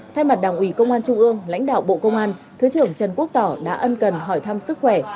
thay mặt đảng ủy công an trung ương lãnh đạo bộ công an thứ trưởng trần quốc tỏ đã ân cần hỏi thăm sức khỏe